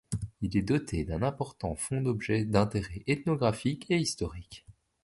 Il est doté d'un important fonds d'objets d'intérêt ethnographique et historique.